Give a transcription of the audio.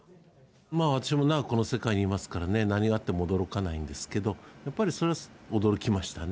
私も長くこの世界にいますからね、何があっても驚かないんですけど、やっぱりそれは驚きましたね。